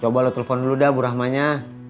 coba lo telepon dulu dah bu rahmanya